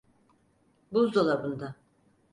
Buzdolabında.